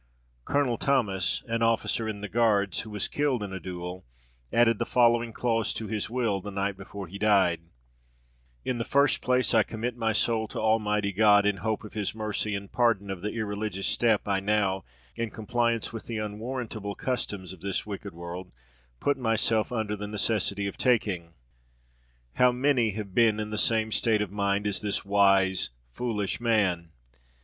Colonel Thomas, an officer in the Guards, who was killed in a duel, added the following clause to his will the night before he died: "In the first place, I commit my soul to Almighty God, in hope of his mercy and pardon for the irreligious step I now (in compliance with the unwarrantable customs of this wicked world) put myself under the necessity of taking." How many have been in the same state of mind as this wise, foolish man!